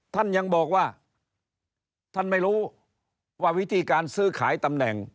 ท่านยังบอกว่าท่านไม่รู้ว่าวิธีการซื้อขายตำแหน่ง